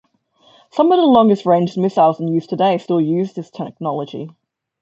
Some of the longest-range missiles in use today still use this technology.